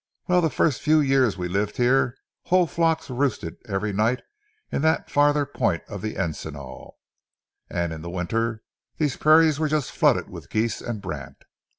Well, the first few years we lived here, whole flocks roosted every night in that farther point of the encinal. And in the winter these prairies were just flooded with geese and brant.